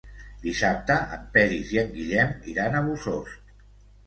Dissabte en Peris i en Guillem iran a Bossòst.